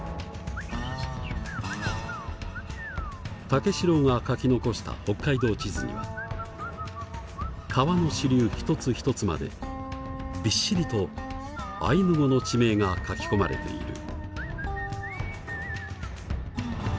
武四郎が書き残した北海道地図には川の支流一つ一つまでびっしりとアイヌ語の地名が書き込まれている。